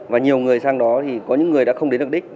và nhiều người sang đó thì có những người đã không đến được đích